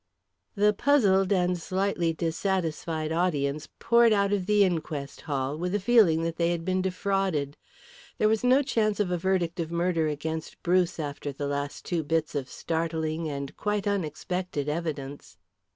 The puzzled and slightly dissatisfied audience poured out of the inquest hall with a feeling that they had been defrauded. There was no chance of a verdict of murder against Bruce after the last two bits of startling and quite unexpected evidence.